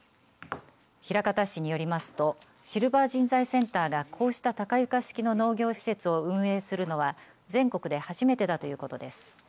枚方市によりますとシルバー人材センターがこうした高床式の農業施設を運営するのは全国で初めてだということです。